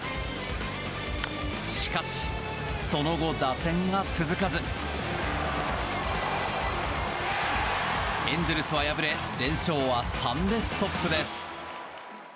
しかしその後、打線が続かずエンゼルスは敗れ連勝は３でストップです。